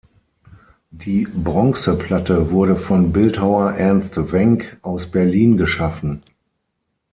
Die Bronzeplatte wurde von Bildhauer Ernst Wenck aus Berlin geschaffen.